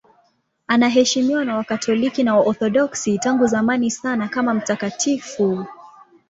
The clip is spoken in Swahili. Anaheshimiwa na Wakatoliki na Waorthodoksi tangu zamani sana kama mtakatifu.